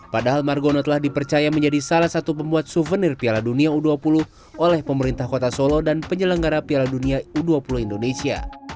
padahal margono telah dipercaya menjadi salah satu pembuat souvenir piala dunia u dua puluh oleh pemerintah kota solo dan penyelenggara piala dunia u dua puluh indonesia